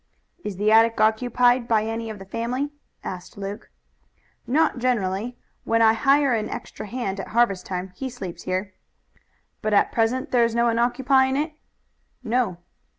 "Is the attic occupied by any of the family?" asked Luke. "Not generally. When I hire an extra hand at harvest time he sleeps there." "But at present there is no one occupying it?" "No."